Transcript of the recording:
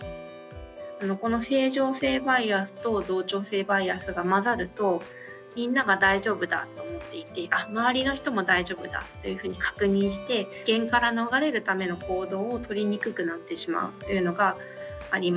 この正常性バイアスと同調性バイアスが混ざるとみんなが大丈夫だと思っていてあっ周りの人も大丈夫だというふうに確認して危険から逃れるための行動をとりにくくなってしまうというのがあります。